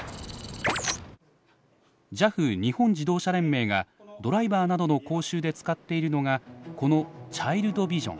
ＪＡＦ日本自動車連盟がドライバーなどの講習で使っているのがこのチャイルドビジョン。